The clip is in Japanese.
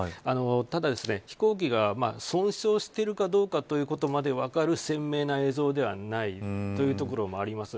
ただ、飛行機が損傷しているかどうかということまで分かる鮮明な映像ではないというところもあります。